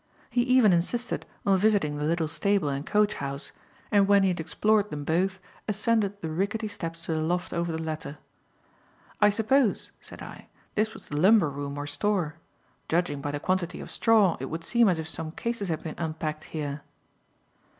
He even insisted on visiting the little stable and coachhouse, and when he had explored them both, ascended the ricketty steps to the loft over the latter. "I suppose," said I, "this was the lumber room or store. Judging by the quantity of straw it would seem as if some cases had been unpacked here."